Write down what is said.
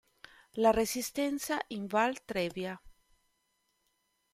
La Resistenza in Val Trebbia